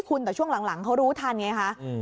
คุณแต่ช่วงหลังหลังเขารู้ทันไงฮะอืม